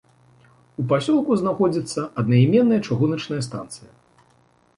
У пасёлку знаходзіцца аднаіменная чыгуначная станцыя.